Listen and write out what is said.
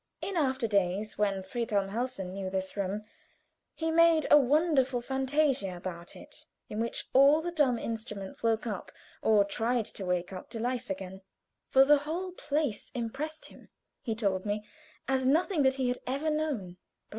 In after days, when Friedhelm Helfen knew this room, he made a wonderful fantasia about it, in which all the dumb instruments woke up, or tried to wake up to life again, for the whole place impressed him, he told me, as nothing that he had ever known before.